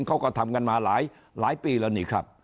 เขาก็ทำกันมาหลายปีแล้วนี่ครับ